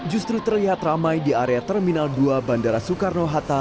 justru terlihat ramai di area terminal dua bandara soekarno hatta